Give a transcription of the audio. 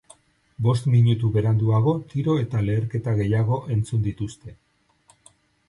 Bost minutu beranduago tiro eta leherketa gehiago entzun dituzte.